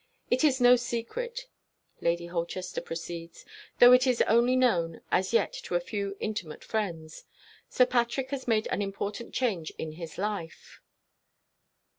"It is no secret," Lady Holchester proceeds "though it is only known, as yet to a few intimate friends. Sir Patrick has made an important change in his life."